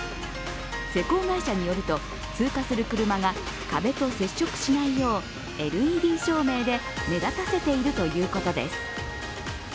施工会社によると、通過する車が壁と接触しないようＬＥＤ照明で目立たせているということです。